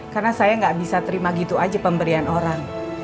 karena saya gak bisa terima gitu aja pemberian orang